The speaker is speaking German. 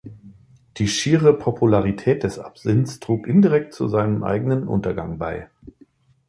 Die schiere Popularität des Absinths trug indirekt zu seinem eigenen Untergang bei.